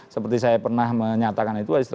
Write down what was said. seperti saya pernah menyatakan itu